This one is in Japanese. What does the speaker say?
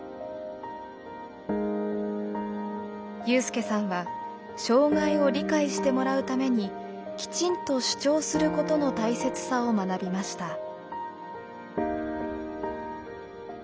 有さんは障害を理解してもらうためにきちんと主張することの大切さを学びました。